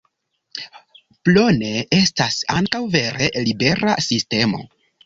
Plone estas ankaŭ vere libera sistemo.